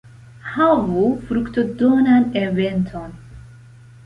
Havu fruktodonan eventon!